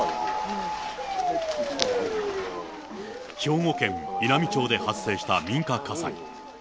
兵庫県稲美町で発生した民家火災。